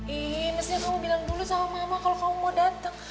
ih mestinya kamu bilang dulu sama mama kalau kamu mau datang